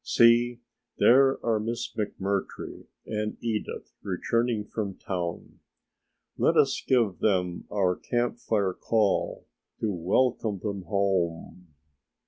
"See, there are Miss McMurtry and Edith returning from town. Let us give them our Camp Fire call to welcome them home."